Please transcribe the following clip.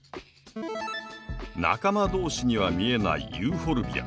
仲間同士には見えないユーフォルビア。